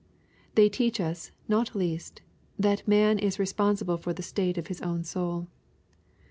They teach us, not least, that man is responsible for the state of his own soul.